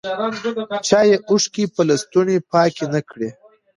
چایې اوښکي په لستوڼي پاکي نه کړې